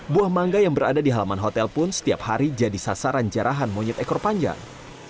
buah mangga yang berada di halaman hotel pun setiap hari jadi sasaran jarahan monyet ekor panjang